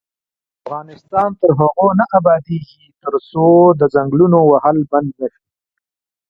افغانستان تر هغو نه ابادیږي، ترڅو د ځنګلونو وهل بند نشي.